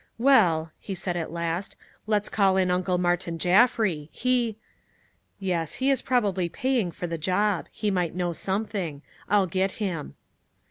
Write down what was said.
"Well," he said at last, "let's call in Uncle Martin Jaffry. He " "Yes; he is probably paying for the job. He might know something! I'll get him."